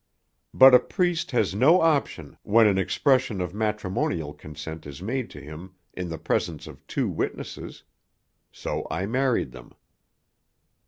But a priest has no option when an expression of matrimonial consent is made to him in the presence of two witnesses. So I married them.